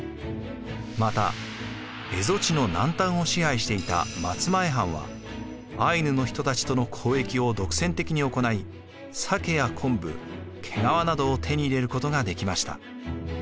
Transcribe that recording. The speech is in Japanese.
また蝦夷地の南端を支配していた松前藩はアイヌの人たちとの交易を独占的に行い鮭や昆布毛皮などを手に入れることができました。